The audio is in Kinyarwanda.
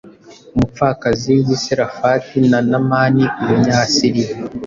Umupfakazi w’i Serafati na Namani Umunyasiriya